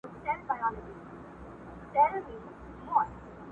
د قلا تر جګ دېواله یې راوړی،